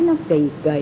tôi cũng nghĩ như vậy